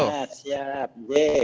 salam sehat siap ibu